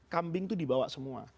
kambing tuh dibawa semua